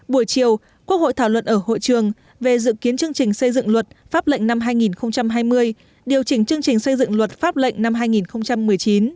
buổi chiều quốc hội thảo luận ở hội trường về dự kiến chương trình xây dựng luật pháp lệnh năm hai nghìn hai mươi điều chỉnh chương trình xây dựng luật pháp lệnh năm hai nghìn một mươi chín